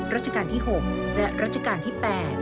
ราชการที่๖และรัชกาลที่๘